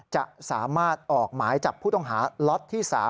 จะสามารถออกหมายจับผู้ต้องหาล็อตที่๓